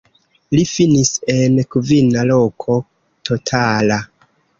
Li finis en kvina loko totala.